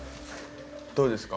どうですか？